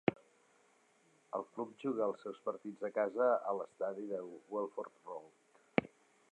El club juga els seus partits a casa a l'estadi de Welford Road.